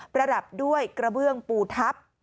ระดับด้วยกระเบื้องปูทับ